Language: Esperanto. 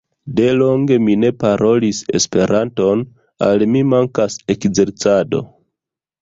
De longe mi ne parolis Esperanton, al mi mankas ekzercado.